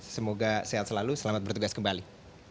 semoga sehat selalu selamat bertugas kembali